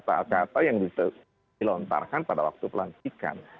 dan kata kata yang dilontarkan pada waktu pelantikan